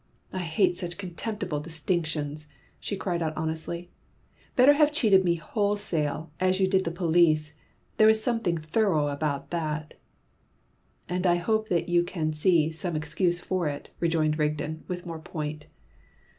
"I hate such contemptible distinctions!" she cried out honestly. "Better have cheated me wholesale, as you did the police; there was something thorough about that." "And I hope that you can now see some excuse for it," rejoined Rigden with more point.